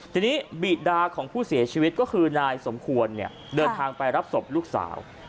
ทีนี้บิดาของผู้เสียชีวิตก็คือนายสมควรเนี่ยเดินทางไปรับศพลูกสาว